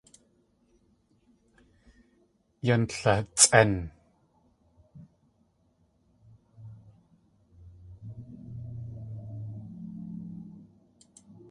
Yan latsʼén!